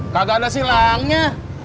kagak ada silangnya